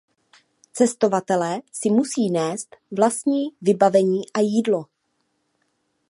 Cestovatelé si musí nést vlastní vybavení a jídlo.